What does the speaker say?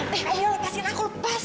kamilah lepaskan aku lepas